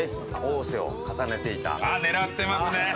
あっ狙ってますね。